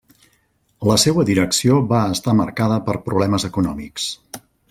La seua direcció va estar marcada per problemes econòmics.